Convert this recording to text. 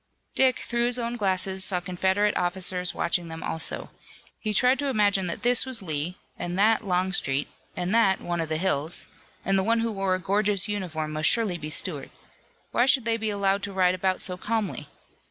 Dick, through his own glasses saw Confederate officers watching them also. He tried to imagine that this was Lee and that Longstreet, and that one of the Hills, and the one who wore a gorgeous uniform must surely be Stuart. Why should they be allowed to ride about so calmly?